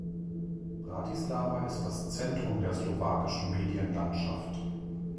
Bratislava ist das Zentrum der slowakischen Medienlandschaft.